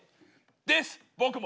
です僕も。